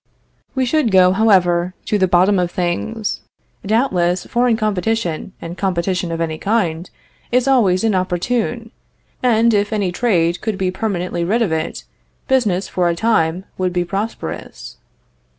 We should go, however, to the bottom of things. Doubtless foreign competition, and competition of any kind, is always inopportune; and, if any trade could be permanently rid of it, business, for a time, would be prosperous.